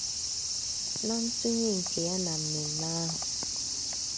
Na ntụnye nke ya na mmemme ahụ